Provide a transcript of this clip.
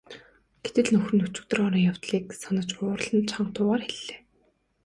Гэтэл нөхөр нь өчигдөр оройн явдлыг санаж уурлан чанга дуугаар хэллээ.